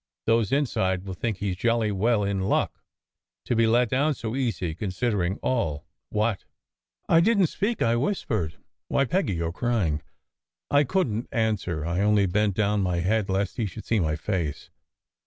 Those inside will think he s jolly well in luck to be let down so easy considering all ... what?" "I didn t speak," I whispered. "Why, Peggy, you re crying!" I couldn t answer. I only bent down my head lest he should see my face.